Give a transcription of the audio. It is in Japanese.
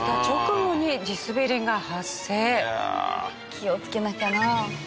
気を付けなきゃな。